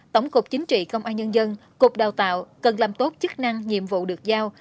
tổng cục chính trị công an nhân dân cục đào tạo cần làm tốt chức năng nhiệm vụ được giao